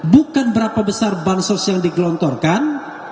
bukan berapa besar bansos yang digelontorkan